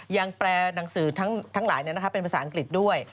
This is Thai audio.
แปลหนังสือทั้งหลายเป็นภาษาอังกฤษด้วย